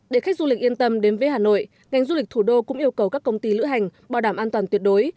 để khách du lịch yên tâm đến với hà nội ngành du lịch thủ đô cũng yêu cầu các công ty lữ hành bảo đảm an toàn tuyệt đối